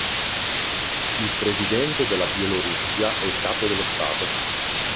Il Presidente della Bielorussia è il capo dello Stato.